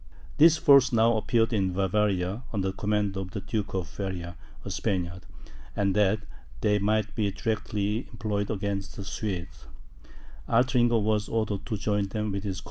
This force now appeared in Bavaria, under the command of the Duke of Feria, a Spaniard; and, that they might be directly employed against the Swedes, Altringer was ordered to join them with his corps.